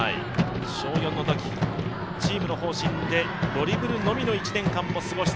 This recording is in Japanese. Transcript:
小４のとき、チームの方針でドリブルのみの１年間を過ごした。